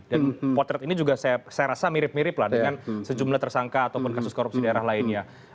dan potret ini juga saya rasa mirip mirip lah dengan sejumlah tersangka ataupun kasus korupsi di daerah lainnya